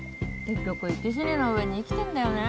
結局生き死にの上に生きてんだよね。